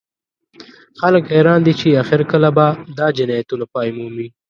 خلک حیران دي چې اخر کله به دا جنایتونه پای مومي